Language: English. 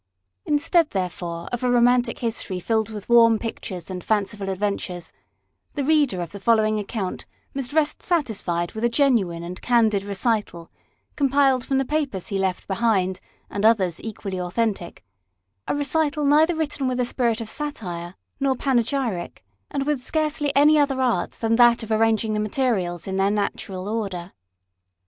Instead, therefore, of a romantic history filled with warm pictures and fanciful adventures, the reader of the following account must rest satisfied with a genuine and candid recital compiled from the papers he left, behind, and others equally authentic ; a recital neither written with a spirit of satire nor panegyric, and with scarcely any other art than that of arranging the materials in their natural order.